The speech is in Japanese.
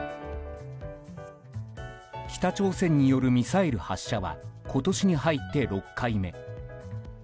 北朝鮮によるミサイル発射は今年に入って６回目。